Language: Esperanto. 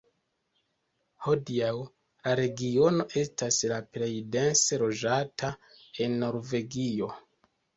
Hodiaŭ, la regiono estas la plej dense loĝata en Norvegio.